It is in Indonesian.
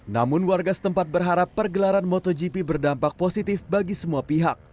namun warga setempat berharap pergelaran motogp berdampak positif bagi semua pihak